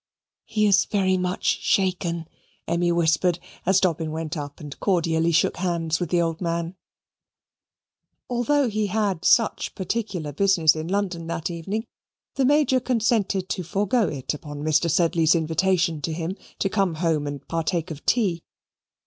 "He is very much shaken," Emmy whispered as Dobbin went up and cordially shook hands with the old man. Although he had such particular business in London that evening, the Major consented to forego it upon Mr. Sedley's invitation to him to come home and partake of tea.